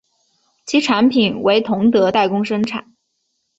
其产品为同德代工生产。